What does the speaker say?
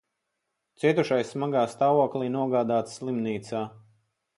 Cietušais smagā stāvoklī nogādāts slimnīcā.